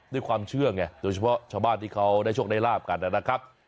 ด้วยความเชื่อไงโดยเฉพาะชาวบ้านที่เขาได้โชคได้ลาบกันนะครับ